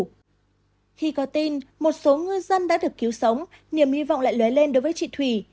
khi có tin một số ngư dân đã được cứu sống niềm hy vọng lại lưới lên đối với chị thủy